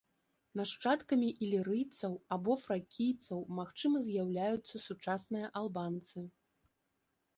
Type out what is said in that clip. Нашчадкамі ілірыйцаў або фракійцаў магчыма з'яўляюцца сучасныя албанцы.